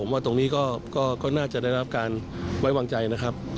ว่าตรงนี้ก็น่าจะได้รับการไว้วางใจนะครับ